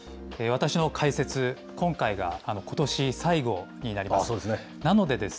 私の解説、今回がことし最後になります。